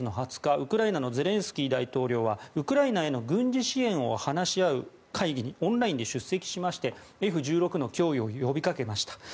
ウクライナのゼレンスキー大統領はウクライナへの軍事支援を話し合う会議にオンラインで出席しましてＦ１６の供与を呼びかけました。